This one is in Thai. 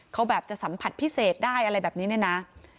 เขาแบบจะสัมผัสพิเศษได้อะไรแบบนี้เนี่ยนะ